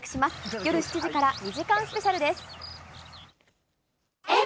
夜７時から２時間スペシャルです。